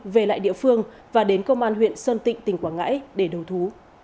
về lại địa phương và đến công an huyện sơn tịnh tỉnh quảng ngãi để đầu thú